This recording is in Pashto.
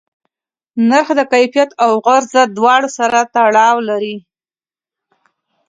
نرخ د کیفیت او عرضه دواړو سره تړاو لري.